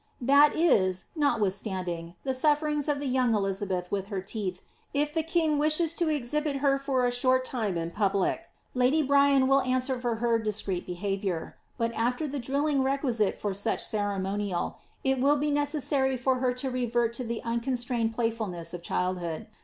IS BLIIABETH. That is, notwithstanding the sufierings of the young Elizabeth with her teeth, if the king wishes to exhibit her for a short time in public, Lady Bry^n will answer for her discreet behaviour, but after the drilling requisite for such ceremonial, it will be necessary for her to revert to the unconstrained playfulness of childhood.